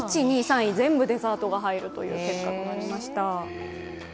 １位、２位、３位、全部デザートが入る結果となりました。